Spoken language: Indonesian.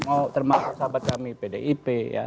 oh terima kasih sahabat kami pdip ya